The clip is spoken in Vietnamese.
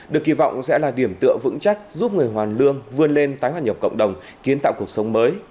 được kỳ vọng sẽ là điểm tựa vững chắc giúp người hoàn lương vươn lên tái hoạt nhập cộng đồng kiến tạo cuộc sống mới